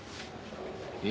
え？